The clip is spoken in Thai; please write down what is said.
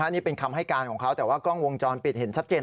นี่เป็นคำให้การของเขาแต่ว่ากล้องวงจรปิดเห็นชัดเจน